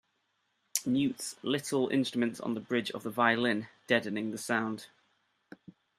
Mutes little instruments on the bridge of the violin, deadening the sound.